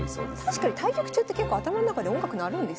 確かに対局中って結構頭ん中で音楽鳴るんですよね。